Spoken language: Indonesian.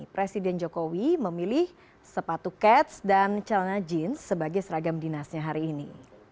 presiden jokowi memilih sepatu cats dan celana jeans sebagai seragam dinasnya hari ini